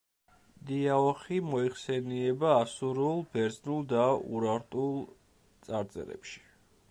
დიაოხი მოიხსენიება ასურულ, ბერძნულ და ურარტულ წარწერებში.